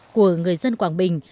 của người dân quảng bình